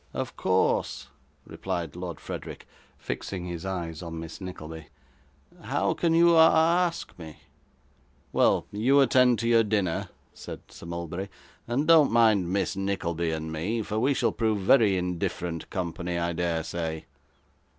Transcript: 'Of course,' replied Lord Frederick, fixing his eyes on Miss Nickleby, 'how can you a ask me?' 'Well, you attend to your dinner,' said Sir Mulberry, 'and don't mind Miss Nickleby and me, for we shall prove very indifferent company, I dare say.